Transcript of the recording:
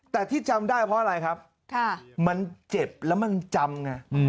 แต่ที่จำได้เพราะอะไรครับมันเจ็บแล้วมันจำไง